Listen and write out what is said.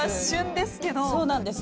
そうなんですよ。